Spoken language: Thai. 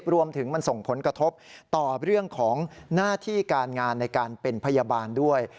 รวมถึงมันส่งผลกระทบต่อเรื่องของหน้าที่การงานในการเป็นพยาบาลด้วย